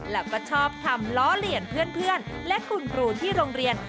แล้วก็ชอบทำล้อเลียนเพื่อนและคุณครูที่โรงเรียน